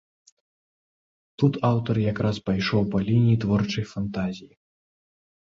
Тут аўтар якраз пайшоў па лініі творчай фантазіі.